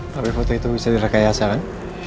tapi foto itu bisa dirakyat ya kan